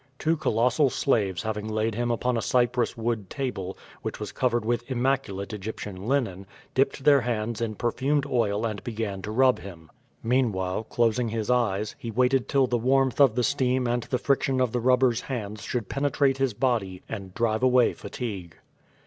Two colossal slaves having laid him upon a cypms 3 X . QUO VADIS, wood table, which was covered with immaculate Egyptian linen, dipped their hands in perfumed oil and began to rub him. Meanwhile, closing his eyes, he waited till the warmth of the steam and the friction of the rubbers' hands should penetrate his body and drive away fatigue.